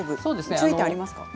注意点はありますか？